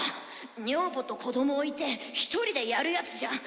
女房と子どもを置いて１人でやるやつじゃん。